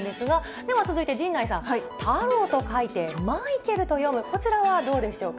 では続いて陣内さん、太郎と書いてマイケルと読む、こちらはどうでしょうか？